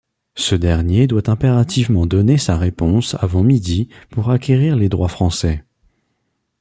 Ce dernier doit impérativement donner sa réponse avant midi pour acquérir les droits français.